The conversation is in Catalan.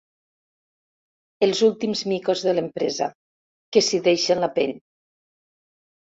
Els últims micos de l'empresa, que s'hi deixen la pell.